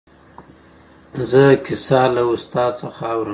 زه دا کیسه له استاد څخه اورم.